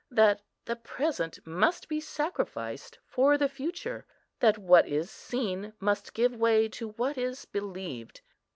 that the present must be sacrificed for the future; that what is seen must give way to what is believed.